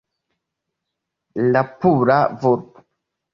La pura vulpo